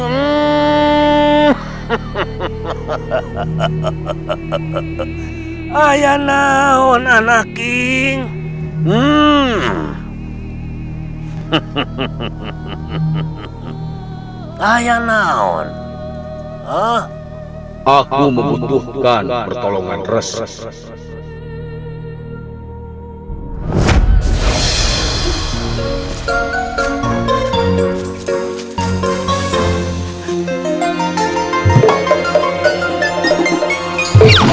heheheheh ayah naon anak king hmm heheheheh ayah naon aku membutuhkan pertolongan resmi